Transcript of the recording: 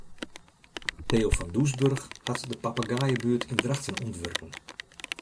Theo van Doesburg hat de papegaaiebuert yn Drachten ûntwurpen.